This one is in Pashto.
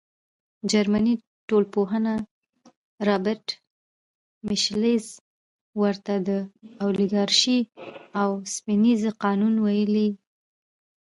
جرمني ټولنپوه رابرټ میشلز ورته د اولیګارشۍ اوسپنیز قانون ویلي.